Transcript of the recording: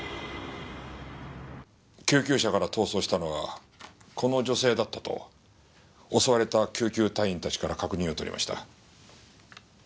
救急車から逃走したのはこの女性だったと襲われた救急隊員たちから確認を取りました。